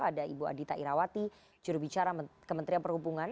ada ibu adita irawati jurubicara kementerian perhubungan